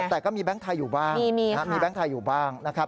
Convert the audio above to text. แต่ก็มีแบงค์ไทยอยู่บ้างมีแบงค์ไทยอยู่บ้างนะครับ